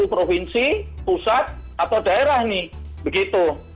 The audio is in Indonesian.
provinsi pusat atau daerah nih begitu